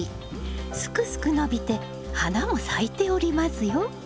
すくすく伸びて花も咲いておりますよ。